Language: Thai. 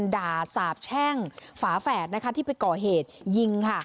ด่าสาบแช่งฝาแฝดนะคะที่ไปก่อเหตุยิงค่ะ